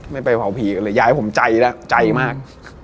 ไม่ไปเผาผีกันเลยยายผมใจแล้วใจมาก